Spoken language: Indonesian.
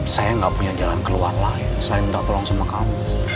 saya gak punya jalan keluar lain selain minta tolong sama kamu